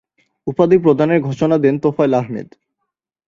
উপাধি প্রদানের ঘোষণা দেন তোফায়েল আহমেদ।